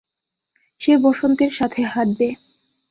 সে বসন্তের সাথে হাঁটবে।